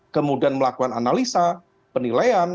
kemudian melakukan analisa penilaian